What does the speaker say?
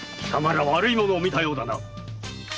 ら悪いものを見たようだな。